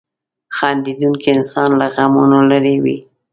• خندېدونکی انسان له غمونو لرې وي.